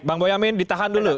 bang boyamin ditahan dulu